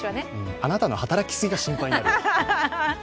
あなたの働きすぎが心配になるよ。